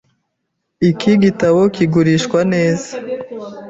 Iki gitabo kigurishwa neza .